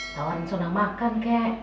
tawarin sona makan kek